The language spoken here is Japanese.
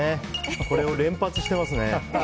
これを連発してますね。